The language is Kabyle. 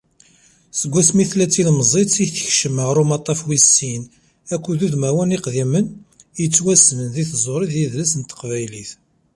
Segmi tella d tilemẓit i tekcem ɣer umaṭtaf wis sin akked wudmawen iqdimen yettwassnen deg tẓuri d yidles n teqbaylit.